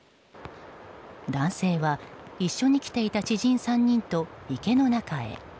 男性は、一緒に来ていた知人３人と池の中へ。